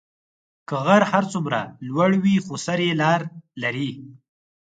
که غر هر څومره لوړی وي، خو سر یې لار لري.